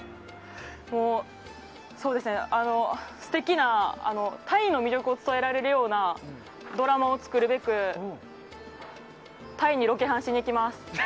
素敵なタイの魅力を伝えられるようなドラマを作るべくタイにロケハンしに行きます。